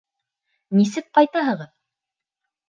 Нисек ҡайтаһығыҙ?